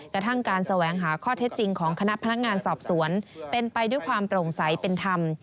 กระทั่งการแสวงหาข้อเท็จจริงของคณะพนักงานสอบสวนเป็นไปด้วยความโปร่งใสเป็นธรรม